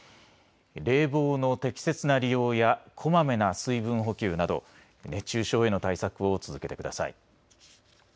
冷房の適切な利用やこまめな水分補給など熱中症への対策を続けてください。